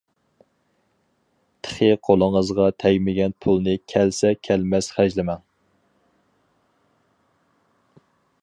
تېخى قولىڭىزغا تەگمىگەن پۇلنى كەلسە-كەلمەس خەجلىمەڭ.